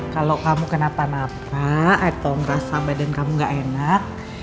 kalau kamu kenapa napa atau ngerasa badan kamu gak enak